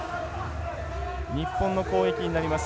日本の攻撃になります。